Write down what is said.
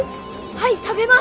はい食べます。